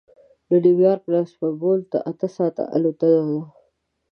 له نیویارک نه استانبول ته اته ساعته الوتنه ده.